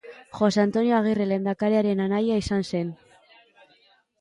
Jose Antonio Agirre lehendakariaren anaia izan zen.